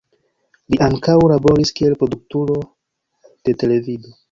Li ankaŭ laboris kiel produktoro de televido.